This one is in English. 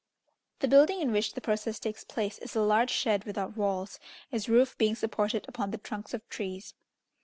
The building in which the process takes place is a large shed without walls, its roof being supported upon the trunks of trees.